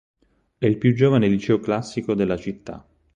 È il più giovane liceo classico della città.